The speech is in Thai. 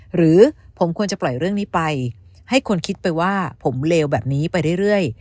หรือผมควรจะปล่อยเรื่องนี้ไปให้คนคิดไปว่าผมเลวแบบนี้ไปเรื่อย